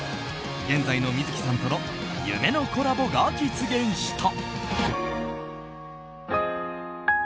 現在の観月さんとの夢のコラボが実現した。